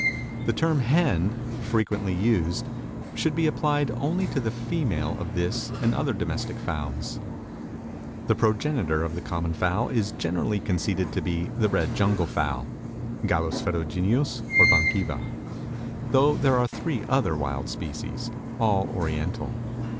The term hen, frequently used, should be applied only to the female of this and other domestic fowls. The progenitor of the common fowl is generally conceded to be the Red Jungle Fowl (Gallus ferrugineus or bankiva), though there are three other wild species, all oriental.